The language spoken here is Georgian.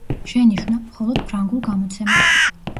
შენიშვნა: მხოლოდ ფრანგულ გამოცემაში.